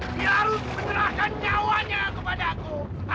dia harus menyerahkan nyawanya kepada aku